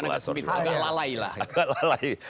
agak lalai lah